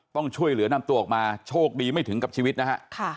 ต้องช่วยเหลือนำตัวออกมาโชคดีไม่ถึงกับชีวิตนะฮะ